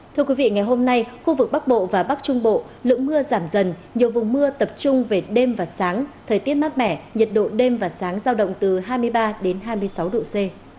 thưa quý vị ngày hôm nay khu vực bắc bộ và bắc trung bộ lượng mưa giảm dần nhiều vùng mưa tập trung về đêm và sáng thời tiết mát mẻ nhiệt độ đêm và sáng giao động từ hai mươi ba hai mươi sáu độ c